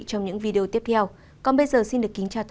trong những video tiếp theo còn bây giờ xin được kính chào tạm biệt